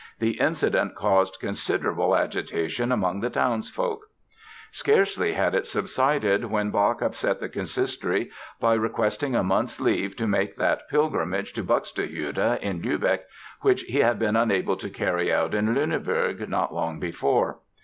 The incident caused considerable agitation among the townsfolk. Scarcely had it subsided than Bach upset the Consistory by requesting a month's leave to make that pilgrimage to Buxtehude in Lübeck which he had been unable to carry out at Lüneburg not long before.